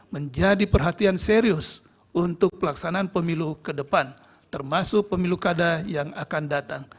menjadi perhatian serius untuk pelaksanaan pemilu ke depan termasuk pemilu kada yang akan datang